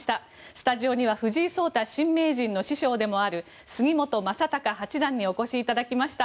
スタジオには藤井聡太新名人の師匠でもある杉本昌隆八段にお越しいただきました。